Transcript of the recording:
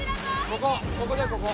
ここここだよここ。